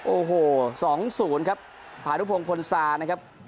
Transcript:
โอ้โหสองศูนย์ครับภารุพงศ์พลสานะครับ